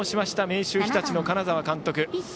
明秀日立の金沢監督。